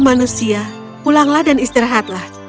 manusia pulanglah dan istirahatlah